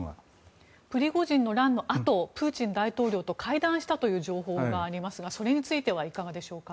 プリゴジンの乱のあとプーチン大統領と会談したという情報がありますがそれについてはいかがでしょうか。